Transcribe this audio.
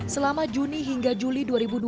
selama juni hingga juli dua ribu dua puluh